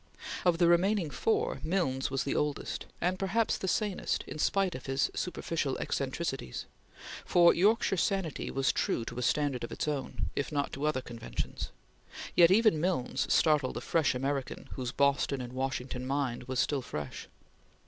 Of the remaining four, Milnes was the oldest, and perhaps the sanest in spite of his superficial eccentricities, for Yorkshire sanity was true to a standard of its own, if not to other conventions; yet even Milnes startled a young American whose Boston and Washington mind was still fresh.